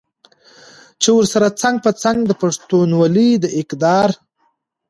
چې ورسره څنګ په څنګ د پښتونولۍ د اقدارو